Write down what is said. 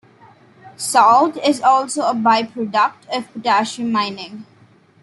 Salt is also a byproduct of potassium mining.